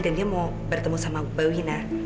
dan dia mau bertemu sama mbak wina